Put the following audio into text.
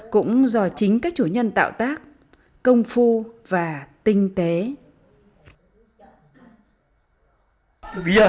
cũng do chính các chủ nhân tạo tác cho chúng ta